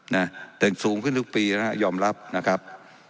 นะแต่งสูงขึ้นทุกปีนะฮะยอมรับนะครับ